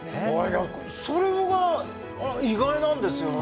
それが意外なんですよね。